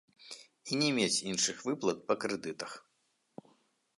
І не мець іншых выплат па крэдытах.